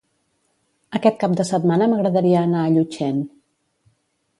Aquest cap de setmana m'agradaria anar a Llutxent.